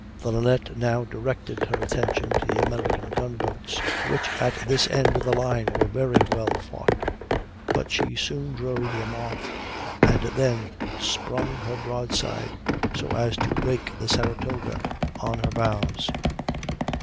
The Linnet now directed her attention to the American gun boats, which at this end of the line were very well fought, but she soon drove them off, and then sprung her broadside so as to rake the Saratoga on her bows.